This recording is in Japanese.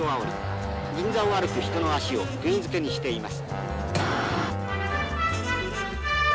銀座を歩く人の足をくぎづけにしています」。